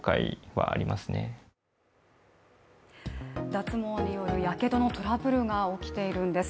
脱毛によるやけどのトラブルが起きているんです。